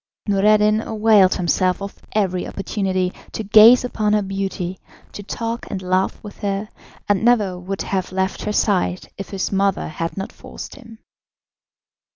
Noureddin availed himself of every opportunity to gaze upon her beauty, to talk and laugh with her, and never would have left her side if his mother had not forced him.